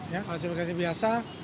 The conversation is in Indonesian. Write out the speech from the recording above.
ya klasifikasinya biasa